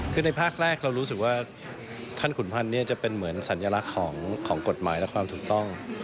คือในภาคแรกเรารู้สึกว่าขั้นขุนพันธ์จะเป็นเหมือนสัญลักษณ์ของกฎหมายและความถูกต้อง